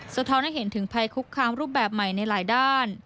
สะท้อนให้เห็นถึงภัยคุกคามรูปแบบใหม่ในหลายด้าน